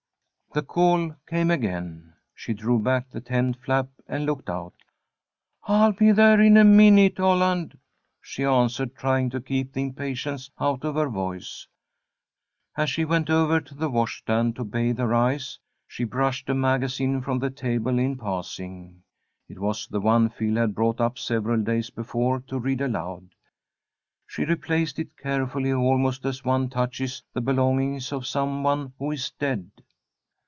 The call came again. She drew back the tent flap and looked out. "I'll be there in a minute, Holland," she answered, trying to keep the impatience out of her voice. As she went over to the wash stand to bathe her eyes, she brushed a magazine from the table in passing. It was the one Phil had brought up several days before to read aloud. She replaced it carefully, almost as one touches the belongings of some one who is dead.